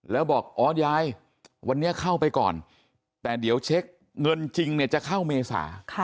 แล้วบอกอ๋อยายวันนี้เข้าไปก่อนแต่เดี๋ยวเช็คเงินจริงเนี่ยจะเข้าเมษา